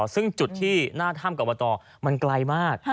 ซึ่งจุดที่หน้าถ้ำอบตมันไกลมาก